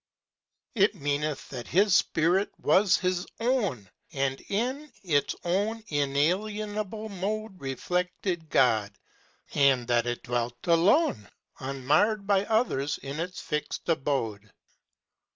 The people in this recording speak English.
It meaneth that His spirit was His own, And in its own inalienable mode Reflefted God â and that it dwelt alone, Unmarred by others in its fixed abode.